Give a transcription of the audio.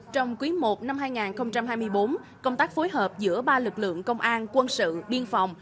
trong quý i năm hai nghìn hai mươi bốn công tác phối hợp giữa ba lực lượng công an quân sự biên phòng